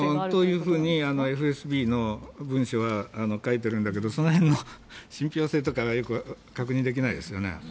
というふうにＦＳＢの文書は書いているんだけどその辺の信ぴょう性とかはよく確認できないですよね。